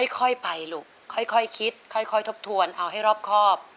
ค่อยไปลูกค่อยคิดค่อยทบทวนเอาให้รอบครอบ